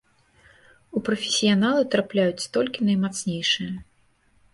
У прафесіяналы трапляюць толькі наймацнейшыя.